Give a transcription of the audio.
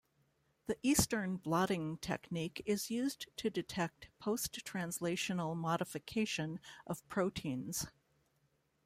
The Eastern blotting technique is used to detect post-translational modification of proteins.